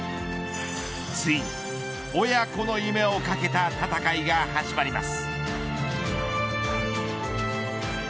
ついに親子の夢を懸けた戦いが始まります。